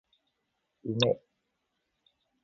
梅